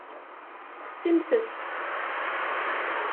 Sexsimt-tt.